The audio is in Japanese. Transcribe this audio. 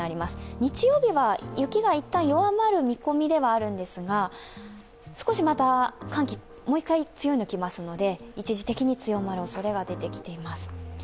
日曜日は雪が一旦弱まる見込みではあるんですが、寒気もう一回強いのが来ますので一時的に強まるおそれが出てきています。